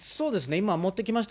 今、持ってきました。